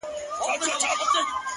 د مقدسي فلسفې د پيلولو په نيت ـ